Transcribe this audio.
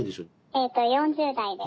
えと４０代です。